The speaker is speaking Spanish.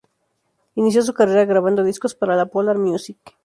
Inició su carrera grabando discos para la Polar Music.